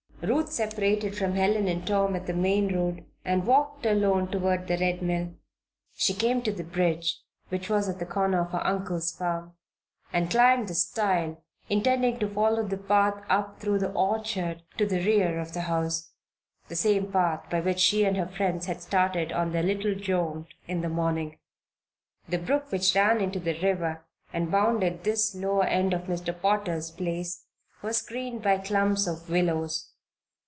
Ruth separated from Helen and Tom at the main road and walked alone toward the Red Mill. She came to the bridge, which was at the corner of her uncle's farm, and climbed the stile, intending to follow the path up through the orchard to the rear of the house the same path by which she and her friends had started on their little jaunt in the morning. The brook which ran into the river, and bounded this lower end of Mr. Potter's place, was screened by clumps of willows.